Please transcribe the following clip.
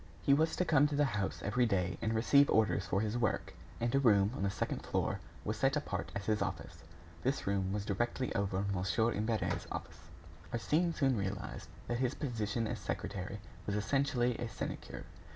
He was to come to the house every day and receive orders for his work, and a room on the second floor was set apart as his office. This room was directly over Mon. Imbert's office. Arsène soon realized that his position as secretary was essentially a sinecure.